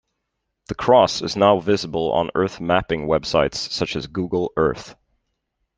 The cross is now visible on earth mapping websites such as Google Earth.